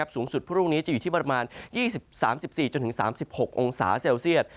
สูงสุดพรุ่งนี้จะอยู่ที่ประมาณ๒๓๔๓๖องศาเซลเซียต